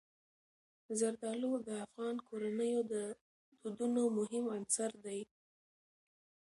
زردالو د افغان کورنیو د دودونو مهم عنصر دی.